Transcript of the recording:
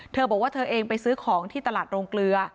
เธอบอกว่าเธอเองไปซื้อของที่ตลาดโรงเกลือ